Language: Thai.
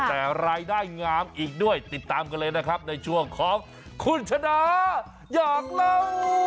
แต่รายได้งามอีกด้วยติดตามกันเลยนะครับในช่วงของคุณชนะอยากเล่า